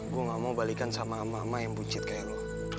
gue gak mau balikan sama emak emak yang buncit kayak lo